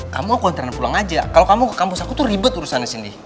kamu aku antren pulang aja kalau kamu ke kampus aku tuh ribet urusan sini